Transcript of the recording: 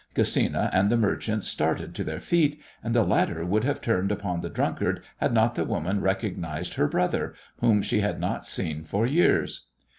Gesina and the merchant started to their feet, and the latter would have turned upon the drunkard had not the woman recognized her brother, whom she had not seen for years.